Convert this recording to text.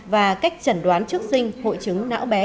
và cách trần đoán trước sinh hội chứng não bé